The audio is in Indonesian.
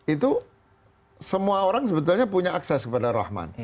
itu semua orang sebetulnya punya akses kepada rahman